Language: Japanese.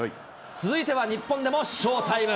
続いては日本でもショータイム。